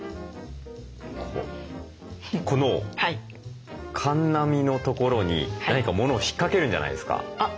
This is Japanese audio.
このかんな身のところに何かものを引っかけるんじゃないですか？